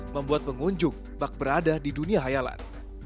membuat pengunjung bak berada di dunia hayalan